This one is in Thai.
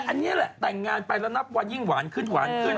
อันนี้แหละแต่งงานไปแล้วนับวันยิ่งหวานขึ้นหวานขึ้น